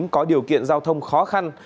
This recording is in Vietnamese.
có điều kiện giao thông khó khăn